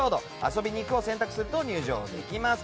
遊びに行くを選択すると入場できます。